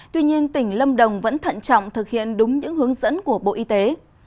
tuy nhiên tỉnh lâm đồng vẫn thận trọng thực hiện đúng những hướng dẫn của bộ y tế